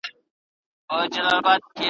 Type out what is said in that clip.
د اکبر په ميخانوکي ,